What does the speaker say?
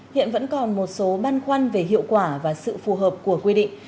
hiện vẫn còn một số băn khoăn về hiệu quả và sự phù hợp của quy định